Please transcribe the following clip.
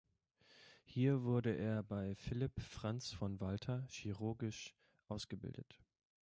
Hier wurde er bei Philipp Franz von Walther chirurgisch ausgebildet.